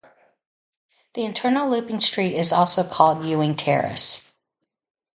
The internal looping street is also called Ewing Terrace.